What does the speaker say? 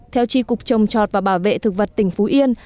theo tri cục trồng chọt và bảo vệ thực vật tỉnh phú yên